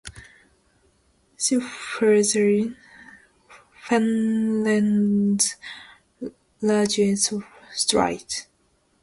See further: Finland's language strife.